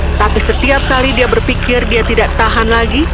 tetapi setiap kali dia berpikir dia tidak tahan lagi